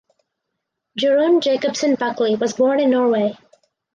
Jorunn Jacobsen Buckley was born in Norway.